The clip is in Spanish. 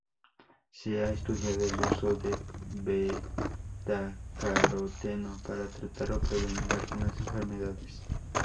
Se ha estudiado el uso de betacaroteno para tratar o prevenir algunas enfermedades.